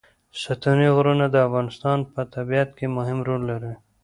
ستوني غرونه د افغانستان په طبیعت کې مهم رول لري.